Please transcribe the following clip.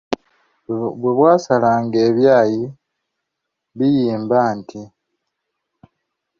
Bwebwasalanga, ng’ebyayi biyimba nti,